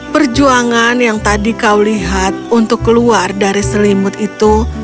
perjuangan yang tadi kau lihat untuk keluar dari selimut itu